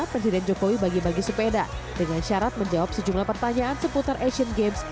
presiden jokowi bagi bagi sepeda dengan syarat menjawab sejumlah pertanyaan seputar asian games